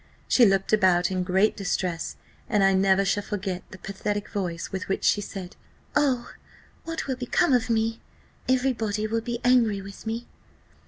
She looked about in great distress; and I never shall forget the pathetic voice with which she said, 'Oh! what will become of me? every body will be angry with me.